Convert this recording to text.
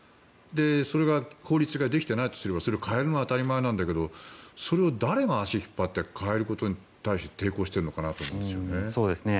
それが法律ができてないとすればそれを変えるのは当たり前なんだけどそれを誰が足を引っ張って変えることに対して抵抗してるのかなと思うんですよね。